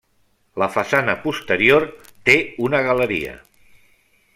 La façana posterior té una galeria.